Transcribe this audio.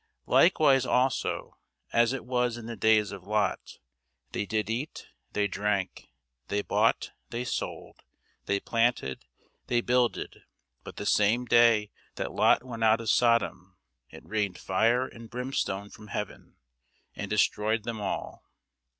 Likewise also as it was in the days of Lot; they did eat, they drank, they bought, they sold, they planted, they builded; but the same day that Lot went out of Sodom it rained fire and brimstone from heaven, and destroyed them all.